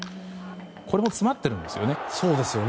これも詰まっているんですよね。